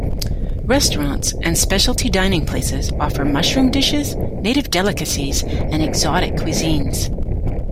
Restaurants and specialty dining places offer mushroom dishes, native delicacies and exotic cuisines.